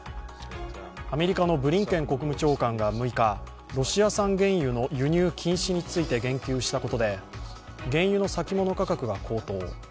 アメリカのブリンケン国務長官が６日、ロシア産原油の輸入禁止について言及したことで原油の先物価格が高騰。